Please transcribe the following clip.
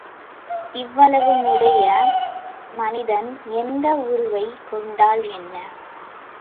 இவ்வளவுமுடைய மனிதர் எந்த உருவைக் கொண்டால் என்ன?